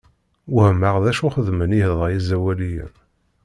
Wehmeɣ d acu xeddmen iḍ-a iẓawaliyen.